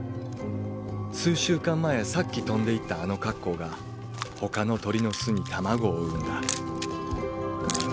数週間前さっき飛んでいったあのカッコウがほかの鳥の巣に卵を産んだ。